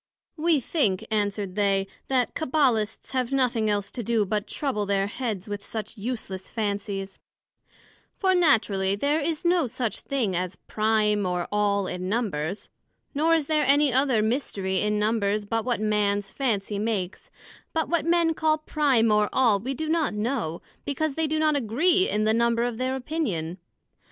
We think, answered they, that Cabbalists have nothing else to do but to trouble their heads with such useless Fancies; for naturally there is no such thing as prime or all in Numbers; nor is there any other mystery in Numbers, but what Man's fancy makes; but what Men call Prime, or All, we do not know, because they do not agree in the number of their opinion.